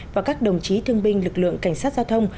và các đồng chí thương binh lực lượng cảnh sát giao thông